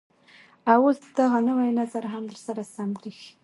او اوس دغه نوى نظر هم درته سم بريښي.